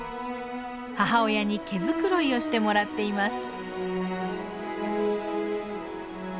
母親に毛繕いをしてもらっています。